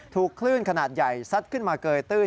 ถูกคลื่นขนาดใหญ่ซัดขึ้นมาเกยตื้น